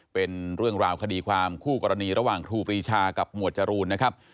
เป็นเรื่องราวคดีความคู่กรณีระหว่างครูปรีชากับหมวดจรูนนะครับ